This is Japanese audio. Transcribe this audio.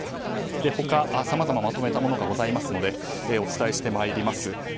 他、さまざままとめたものがございますのでお伝えしてまいります。